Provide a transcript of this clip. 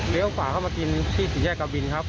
เลี้ยวฝ่าเข้ามากินชี้สีแช่กะบินครับ